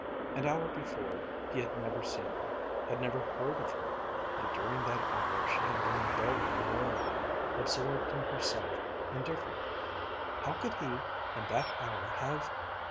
An hour before he had never seen her, had never heard of her and during that hour she had been barely aware of him, absorbed in herself, indifferent. How could he in that hour have